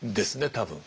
多分。